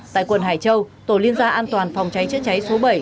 tại quận hải châu tổ liên gia an toàn phòng cháy chữa cháy số bảy